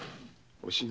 おしの！